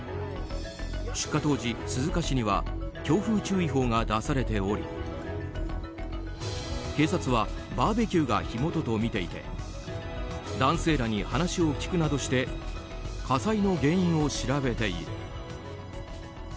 出火当時、鈴鹿市には強風注意報が出されており警察はバーベキューが火元とみていて男性らに話を聞くなどして火災の原因を調べている。